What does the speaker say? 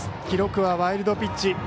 記録はワイルドピッチ。